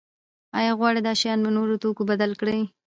هغه غواړي دا شیان په نورو توکو بدل کړي.